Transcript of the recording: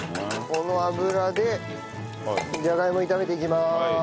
この油でじゃがいも炒めていきます。